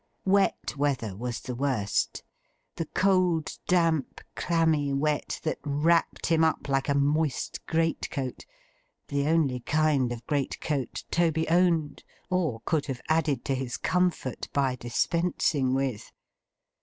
Wet weather was the worst; the cold, damp, clammy wet, that wrapped him up like a moist great coat—the only kind of great coat Toby owned, or could have added to his comfort by dispensing with.